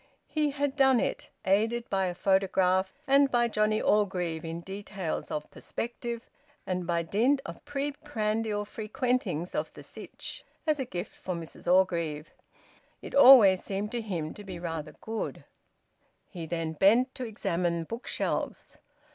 He had done it, aided by a photograph, and by Johnnie Orgreave in details of perspective, and by dint of preprandial frequentings of the Sytch, as a gift for Mrs Orgreave. It always seemed to him to be rather good. Then he bent to examine bookshelves.